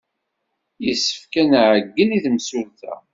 Yessefk ad nɛeyyen i temsulta.